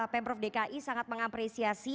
pemprov dki sangat mengapresiasi